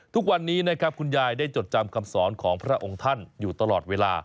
ทุกวันนี้นะครับคุณยายได้จดจำคำสอนของพระองค์ท่านอยู่ตลอดเวลา